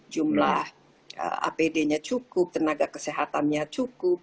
jumlah apd nya cukup tenaga kesehatannya cukup